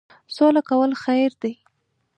سوله کول خیر دی